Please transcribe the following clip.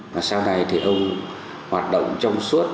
và sau này thì ông hoạt động trong suốt